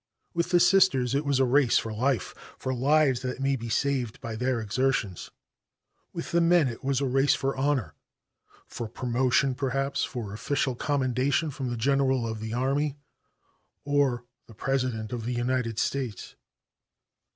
With the Sisters it was a race for life for lives that might be saved by their exertions. With the men it was a race for honor for promotion, perhaps for official commendation from the General of the Army or the President of the United States.